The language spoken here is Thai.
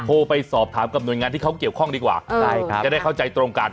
โทรไปสอบถามกับหน่วยงานที่เขาเกี่ยวข้องดีกว่าจะได้เข้าใจตรงกัน